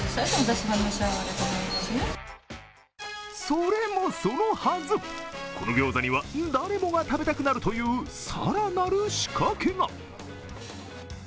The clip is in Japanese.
それもそのはず、この餃子には誰もが食べたくなるという更なる仕掛けが。